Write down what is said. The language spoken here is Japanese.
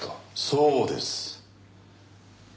そうです。